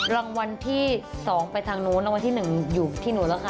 รางวัลที่สองไปทางนู้นรางวัลที่หนึ่งอยู่ที่หนูแล้วค่ะ